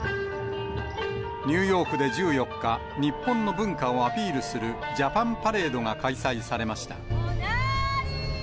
ニューヨークで１４日、日本の文化をアピールするジャパンパレードが開催されました。